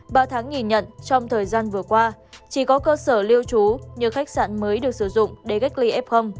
ba tháng nhìn nhận trong thời gian vừa qua chỉ có cơ sở lưu trú như khách sạn mới được sử dụng để cách ly f